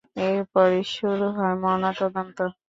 এরপরই শুরু হয় ময়নাতদন্ত।